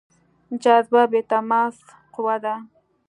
جاذبه بې تماس قوه ده.